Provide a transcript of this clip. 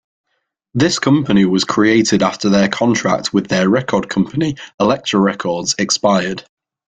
This company was created after their contract with their record company, Elektra Records, expired.